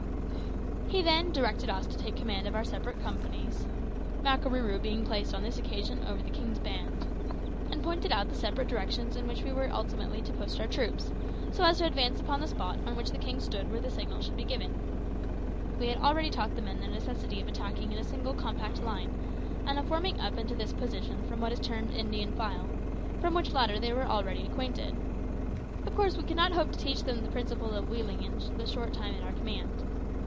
He then directed us to take command of our several companies (Makarooroo being placed on this occasion over the king's band), and pointed out the separate directions in which we were ultimately to post our troops, so as to advance upon the spot on which the king stood when the signal should be given. We had already taught the men the necessity of attacking in a compact single line, and of forming up into this position from what is termed Indian file, with which latter they were already acquainted. Of course we could not hope to teach them the principles of wheeling in the short time at our command.